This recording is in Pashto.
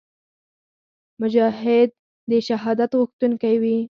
مجاهد د شهادت غوښتونکی وي.